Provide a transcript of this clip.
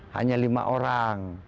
hanya lima orang